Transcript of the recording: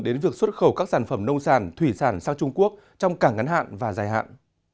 đến việc xuất khẩu các sản phẩm nông sản thủy sản sang trung quốc trong cảng ngắn hạn và dài hạn